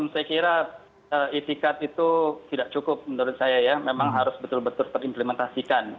saya kira itikat itu tidak cukup menurut saya ya memang harus betul betul terimplementasikan